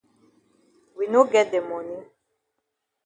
We no get de moni.